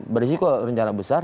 beresiko rencana besar